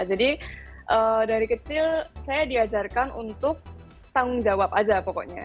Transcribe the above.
jadi dari kecil saya diajarkan untuk tanggung jawab saja pokoknya